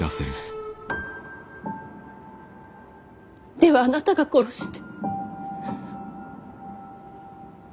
ではあなたが殺して。